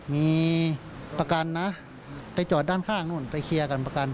มีประกันนะไปจอดด้านข้างนู่นไปเคลียร์กันประกัน